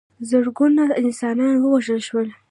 زرګونه انسانان ووژل شول.